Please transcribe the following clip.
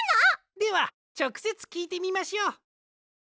ではちょくせつきいてみましょう。